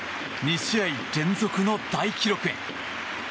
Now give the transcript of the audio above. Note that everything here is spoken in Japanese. ２試合連続の大記録へ。